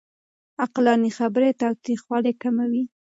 عقلاني خبرې تاوتريخوالی کموي.